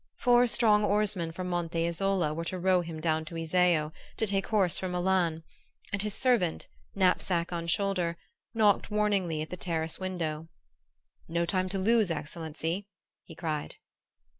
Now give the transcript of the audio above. Four strong oarsmen from Monte Isola were to row him down to Iseo, to take horse for Milan, and his servant, knapsack on shoulder, knocked warningly at the terrace window. "No time to lose, excellency!" he cried.